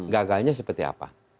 gagalnya seperti apa